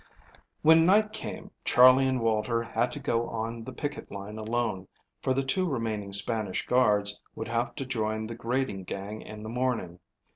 WHEN night came Charley and Walter had to go on the picket line alone, for the two remaining Spanish guards would have to join the grading gang in the morning.